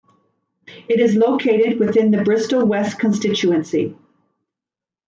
It is located within the Bristol West constituency.